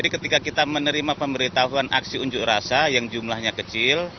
pertama pemberitahuan aksi unjuk rasa yang jumlahnya kecil